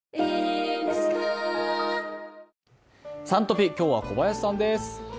「Ｓｕｎトピ」、今日は小林さんです。